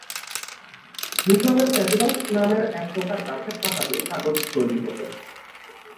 মিসরের প্যাপিরাস নামের একপ্রকার গাছের পাতা দিয়ে কাগজ তৈরি হতো।